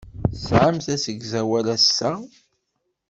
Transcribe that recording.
Tesɛamt asegzawal ass-a?